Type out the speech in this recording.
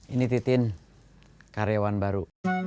ini titin karyawan baru